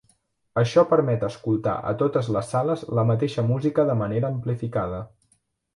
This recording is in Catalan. Això permet escoltar a totes les sales la mateixa música de manera amplificada.